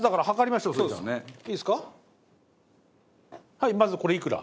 はいまずこれいくら？